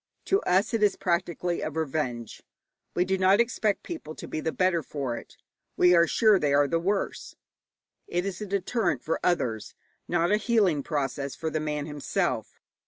To us it is practically a revenge. We do not expect people to be the better for it. We are sure they are the worse. It is a deterrent for others, not a healing process for the man himself.